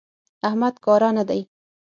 احمد کاره نه دی.